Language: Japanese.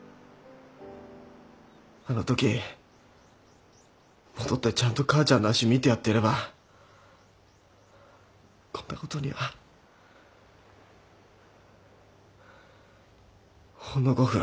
あのとき戻ってちゃんと母ちゃんの脚見てやってればこんなことには。ほんの５分。